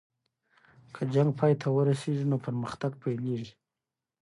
که جنګ پای ته ورسیږي نو پرمختګ پیلیږي.